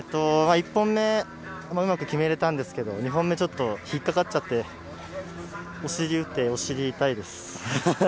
１本目、うまく決めれたんですけど２本目、引っかかっちゃってお尻、打ってお尻痛いです。